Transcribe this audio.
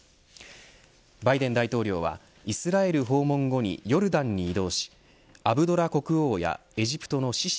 バイデン大統領はイスラエル訪問後にヨルダンに移動しアブドラ国王やエジプトのシシ